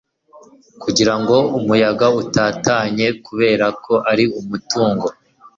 Kugira ngo umuyaga utatanye. Kubera ko ari umutungo